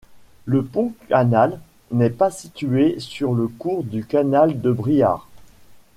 Le pont-canal n'est pas situé sur le cours du canal de Briare.